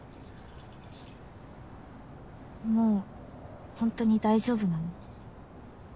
もうホントに大丈夫なの？